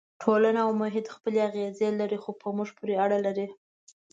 ټولنه او محیط خپلې اغېزې لري خو په موږ پورې اړه لري.